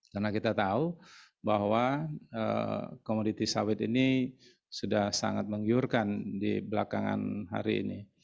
karena kita tahu bahwa komoditi sawit ini sudah sangat menggiurkan di belakangan hari ini